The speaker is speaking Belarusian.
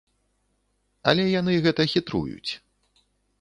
Але яны гэта хітруюць.